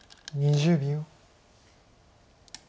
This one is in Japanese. ２０秒。